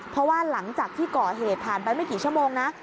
เพราะว่าหลังจากที่ก่อเหตุผ่านไปไม่กี่ชั่วโมงนะ